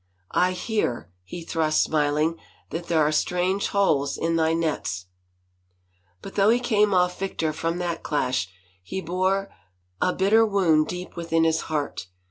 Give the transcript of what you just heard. I hear," he thrust, smiling, " that there are strange holes in thy nets !" But though he came off victor from that clash, he bore a titter wound deep within his heart.